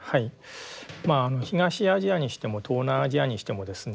東アジアにしても東南アジアにしてもですね